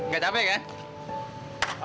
kamu tuh gimana sih mar